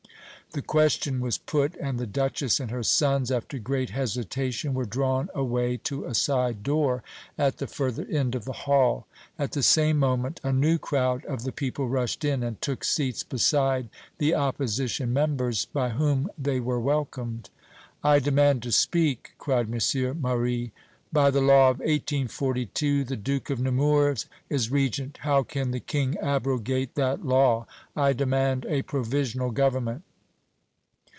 The question was put, and the Duchess and her sons, after great hesitation, were drawn away to a side door, at the further end of the hall. At the same moment a new crowd of the people rushed in and took seats beside the opposition members, by whom they were welcomed. "I demand to speak!" cried M. Marie. "By the law of 1842, the Duke of Nemours is Regent. How can the King abrogate that law? I demand a provisional government!"